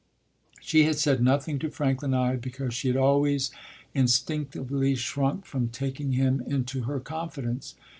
” She had said nothing to Franklin Ide because she had always instinctively shrunk from taking him into her confidence.